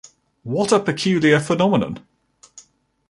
What a peculiar phenomenon.